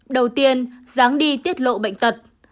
đầu tiên dáng đi tiết lộ bệnh tật